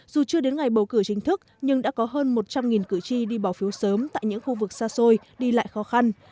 dù chưa đến ngày bầu cử chính thức nhưng đã có hơn một trăm linh cử tri đi bỏ phiếu sớm tại những khu vực xa xôi đi lại khó khăn